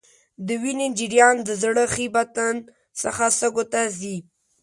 د وینې جریان د زړه ښي بطن څخه سږو ته ځي.